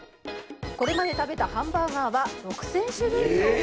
これまで食べたハンバーガーは６０００種類以上。